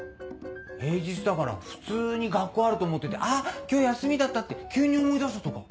平日だから普通に学校あると思ってて「あっ今日休みだった」って急に思い出したとか。